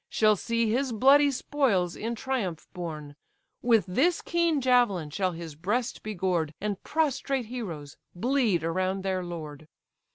Shall see his bloody spoils in triumph borne, With this keen javelin shall his breast be gored, And prostrate heroes bleed around their lord.